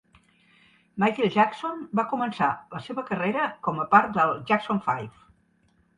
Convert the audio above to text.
Michael Jackson va començar la seva carrera com a part del Jackson Five.